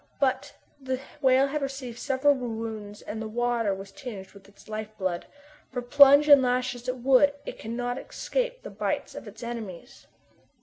But the whale had received several wounds and the water was tinged with its life blood; for plunge and lash as it would, it could not escape the bites of its enemies.